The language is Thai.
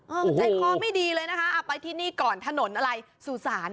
ใจคอไม่ดีเลยนะคะเอาไปที่นี่ก่อนถนนอะไรสุสาน